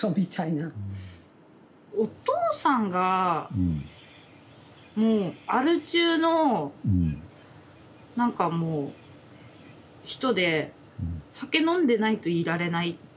お父さんがもうアル中の何かもう人で酒飲んでないといられない。